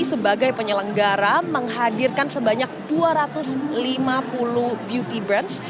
sebagai penyelenggara menghadirkan sebanyak dua ratus lima puluh beauty brands